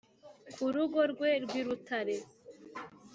ku rugó rwé rw 'i rutáre